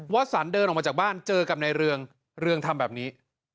สันเดินออกมาจากบ้านเจอกับนายเรืองเรืองทำแบบนี้